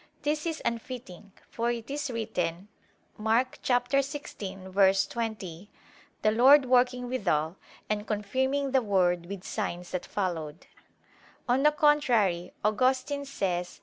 This is unfitting; for it is written (Mk. 16:20): "The Lord working withal, and confirming the word with signs that followed." On the contrary, Augustine says (Q.